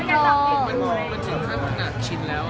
ผมเป็นบางวันที่ขึ้นขับหนักชินแล้วอะ